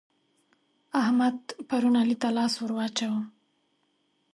احمد پرون علي ته لاس ور واچاوو.